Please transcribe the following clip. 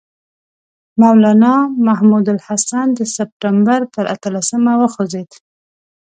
مولنا محمود الحسن د سپټمبر پر اتلسمه وخوځېد.